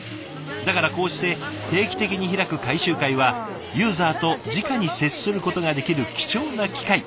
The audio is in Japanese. だからこうして定期的に開く回収会はユーザーとじかに接することができる貴重な機会なんですって。